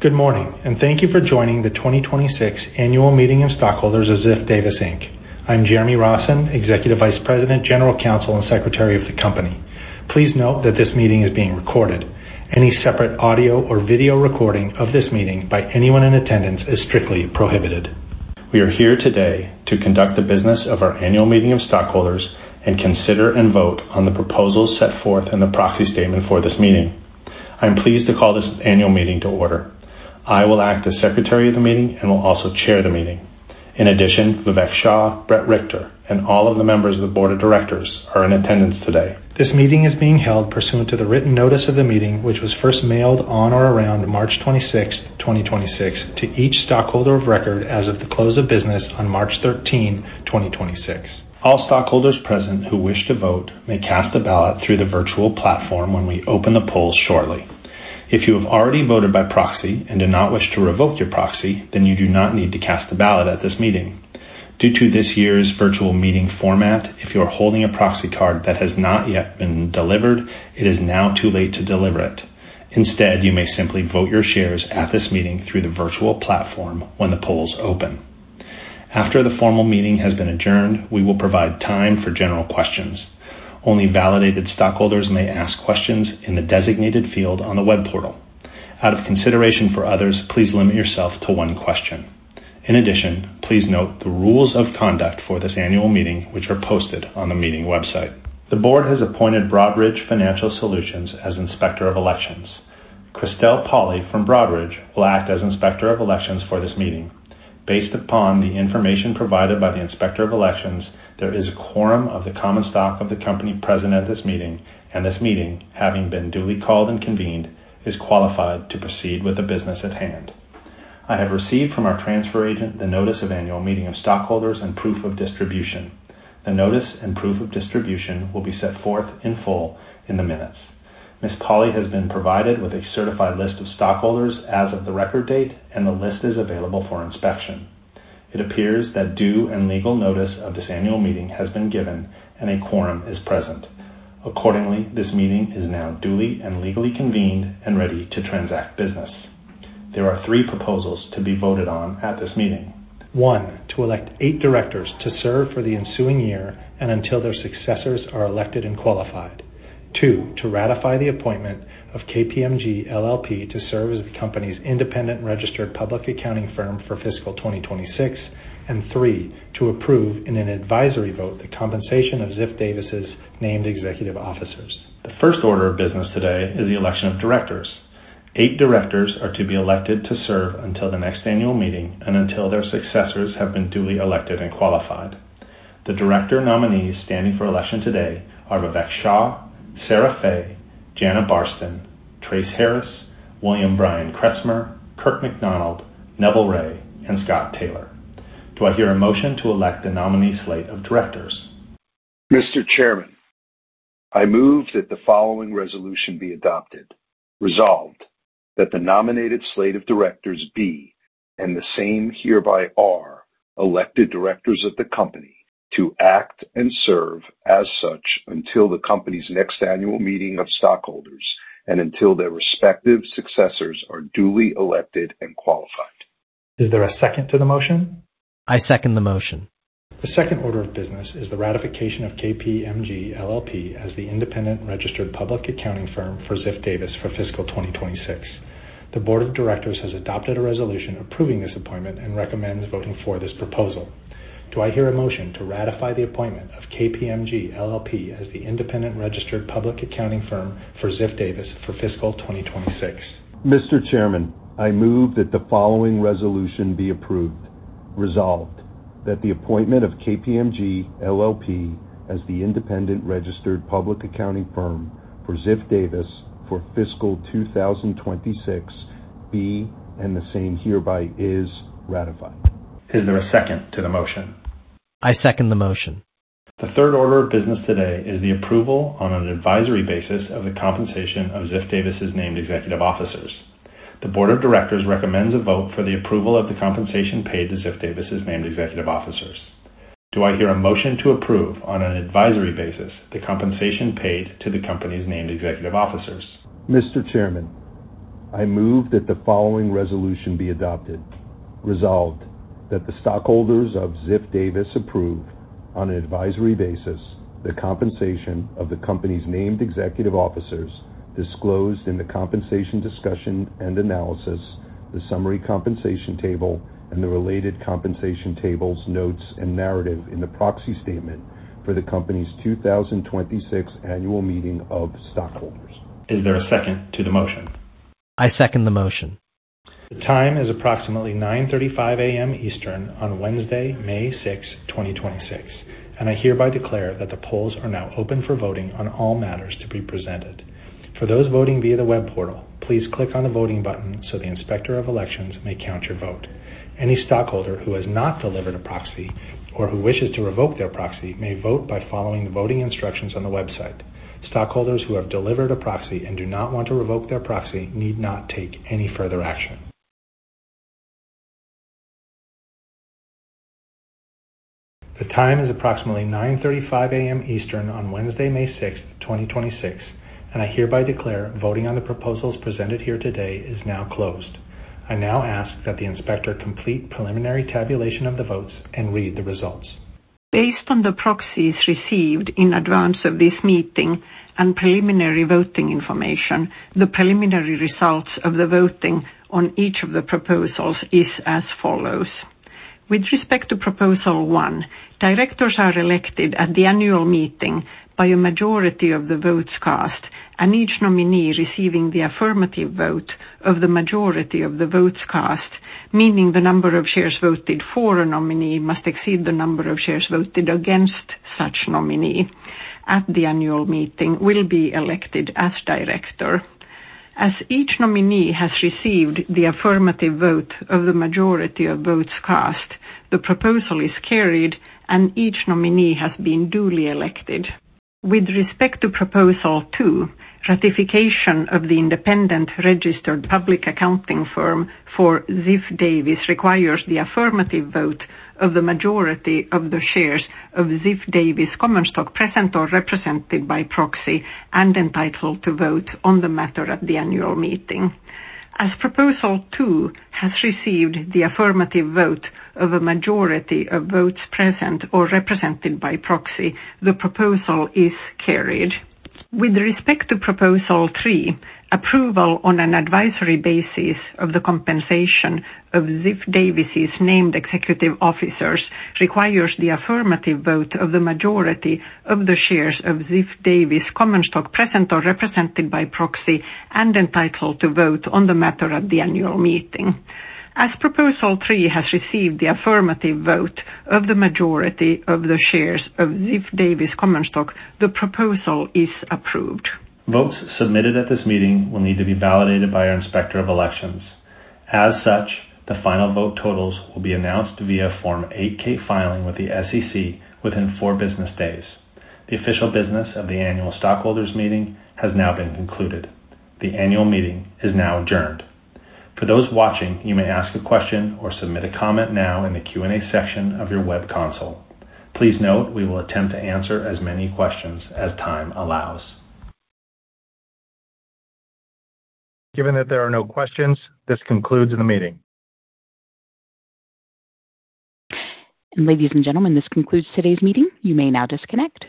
Good morning, and thank you for joining the 2026 annual meeting of stockholders of Ziff Davis, Inc. I'm Jeremy Rossen, Executive Vice President, General Counsel, and Secretary of the company. Please note that this meeting is being recorded. Any separate audio or video recording of this meeting by anyone in attendance is strictly prohibited. We are here today to conduct the business of our annual meeting of stockholders and consider and vote on the proposals set forth in the proxy statement for this meeting. I am pleased to call this annual meeting to order. I will act as secretary of the meeting and will also chair the meeting. In addition, Vivek Shah, Bret Richter, and all of the members of the board of directors are in attendance today. This meeting is being held pursuant to the written notice of the meeting, which was first mailed on or around March 26th, 2026 to each stockholder of record as of the close of business on March 13, 2026. All stockholders present who wish to vote may cast a ballot through the virtual platform when we open the polls shortly. If you have already voted by proxy and do not wish to revoke your proxy, then you do not need to cast a ballot at this meeting. Due to this year's virtual meeting format, if you are holding a proxy card that has not yet been delivered, it is now too late to deliver it. Instead, you may simply vote your shares at this meeting through the virtual platform when the polls open. After the formal meeting has been adjourned, we will provide time for general questions. Only validated stockholders may ask questions in the designated field on the web portal. Out of consideration for others, please limit yourself to one question. In addition, please note the rules of conduct for this annual meeting, which are posted on the meeting website. The board has appointed Broadridge Financial Solutions as Inspector of Elections. Christel Pauli from Broadridge will act as Inspector of Elections for this meeting. Based upon the information provided by the Inspector of Elections, there is a quorum of the common stock of the company present at this meeting, and this meeting, having been duly called and convened, is qualified to proceed with the business at hand. I have received from our transfer agent the notice of annual meeting of stockholders and proof of distribution. The notice and proof of distribution will be set forth in full in the minutes. Ms. Pauli has been provided with a certified list of stockholders as of the record date, and the list is available for inspection. It appears that due and legal notice of this annual meeting has been given and a quorum is present. This meeting is now duly and legally convened and ready to transact business. There are three proposals to be voted on at this meeting. One, to elect eight directors to serve for the ensuing year and until their successors are elected and qualified. Two, to ratify the appointment of KPMG LLP to serve as the company's independent registered public accounting firm for fiscal 2026. Three, to approve in an advisory vote the compensation of Ziff Davis' named executive officers. The first order of business today is the election of directors. Eight directors are to be elected to serve until the next annual meeting and until their successors have been duly elected and qualified. The director nominees standing for election today are Vivek Shah, Sarah Fay, Jana Barsten, Trace Harris, W. Brian Kretzmer, Kirk McDonald, Neville Ray, and Scott C. Taylor. Do I hear a motion to elect the nominee slate of directors? Mr. Chairman, I move that the following resolution be adopted. Resolved that the nominated slate of directors be, and the same hereby are elected directors of the company to act and serve as such until the company's next annual meeting of stockholders and until their respective successors are duly elected and qualified. Is there a second to the motion? I second the motion. The second order of business is the ratification of KPMG LLP as the independent registered public accounting firm for Ziff Davis for fiscal 2026. The board of directors has adopted a resolution approving this appointment and recommends voting for this proposal. Do I hear a motion to ratify the appointment of KPMG LLP as the independent registered public accounting firm for Ziff Davis for fiscal 2026? Mr. Chairman, I move that the following resolution be approved. Resolved that the appointment of KPMG LLP as the independent registered public accounting firm for Ziff Davis for FY 2026 be, and the same hereby is ratified. Is there a second to the motion? I second the motion. The third order of business today is the approval on an advisory basis of the compensation of Ziff Davis' named executive officers. The board of directors recommends a vote for the approval of the compensation paid to Ziff Davis' named executive officers. Do I hear a motion to approve on an advisory basis the compensation paid to the company's named executive officers? Mr. Chairman, I move that the following resolution be adopted. Resolved that the stockholders of Ziff Davis approve on an advisory basis the compensation of the company's named executive officers disclosed in the compensation discussion and analysis, the summary compensation table, and the related compensation tables, notes, and narrative in the proxy statement for the company's 2026 annual meeting of stockholders. Is there a second to the motion? I second the motion. The time is approximately 9:35 A.M. Eastern on Wednesday, May 6th, 2026, and I hereby declare that the polls are now open for voting on all matters to be presented. For those voting via the web portal, please click on the voting button so the Inspector of Elections may count your vote. Any stockholder who has not delivered a proxy or who wishes to revoke their proxy may vote by following the voting instructions on the website. Stockholders who have delivered a proxy and do not want to revoke their proxy need not take any further action. The time is approximately 9:35 A.M. Eastern on Wednesday, May 6th, 2026, and I hereby declare voting on the proposals presented here today is now closed. I now ask that the inspector complete preliminary tabulation of the votes and read the results. Based on the proxies received in advance of this meeting and preliminary voting information, the preliminary results of the voting on each of the proposals is as follows. With respect to proposal one, directors are elected at the annual meeting by a majority of the votes cast, and each nominee receiving the affirmative vote of the majority of the votes cast, meaning the number of shares voted for a nominee must exceed the number of shares voted against such nominee at the annual meeting will be elected as director. As each nominee has received the affirmative vote of the majority of votes cast, the proposal is carried, and each nominee has been duly elected. With respect to proposal two, ratification of the independent registered public accounting firm for Ziff Davis requires the affirmative vote of the majority of the shares of Ziff Davis common stock present or represented by proxy and entitled to vote on the matter at the annual meeting. As proposal two has received the affirmative vote of a majority of votes present or represented by proxy, the proposal is carried. With respect to proposal three, approval on an advisory basis of the compensation of Ziff Davis' named executive officers requires the affirmative vote of the majority of the shares of Ziff Davis common stock present or represented by proxy and entitled to vote on the matter at the annual meeting. As proposal three has received the affirmative vote of the majority of the shares of Ziff Davis common stock, the proposal is approved. Votes submitted at this meeting will need to be validated by our Inspector of Elections. As such, the final vote totals will be announced via Form 8-K filing with the SEC within four business days. The official business of the annual stockholders meeting has now been concluded. The annual meeting is now adjourned. For those watching, you may ask a question or submit a comment now in the Q&A section of your web console. Please note we will attempt to answer as many questions as time allows. Given that there are no questions, this concludes the meeting. Ladies and gentlemen, this concludes today's meeting. You may now disconnect.